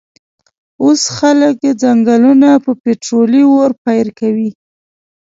وس خلک ځنګلونه په پیټررولي ارو پیرکوی